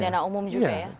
pidana umum juga ya